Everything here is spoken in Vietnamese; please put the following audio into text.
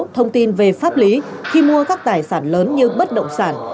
thông tin về pháp lý khi mua các tài sản lớn như bất động sản